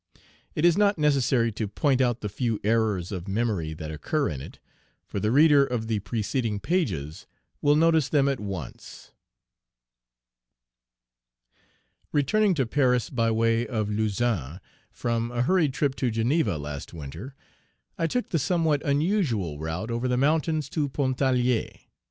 It is not necessary to point out the few errors of memory that occur in it; for the reader of the preceding pages will notice them at once: Returning to Paris by way of Lausanne from a hurried trip to Geneva, last winter, I took the somewhat unusual route over the mountains to Pontarlier.